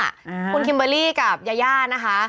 คุณคิมเบอร์รี่กับยาย่านะคะ